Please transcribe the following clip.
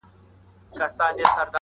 د شهید قبر یې هېر دی له جنډیو.!